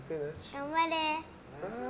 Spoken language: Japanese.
頑張れ！